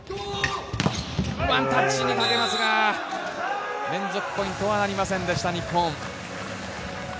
ワンタッチにかけますが、連続ポイントはなりませんでした日本。